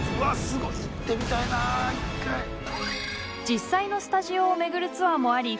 実際のスタジオを巡るツアーもあり